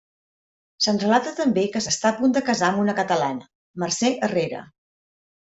Se'ns relata també, que s'està a punt de casar amb una catalana, Mercè Herrera.